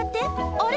あれ？